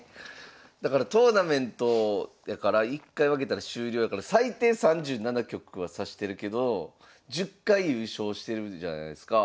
だからトーナメントだから１回負けたら終了やから最低３７局は指してるけど１０回優勝してるじゃないすか。